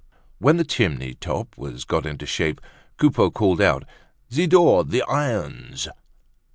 When the chimney top was got into shape, Coupeau called out: "Zidore! The irons!"